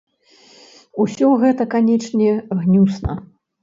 Усё гэта, канечне, гнюсна.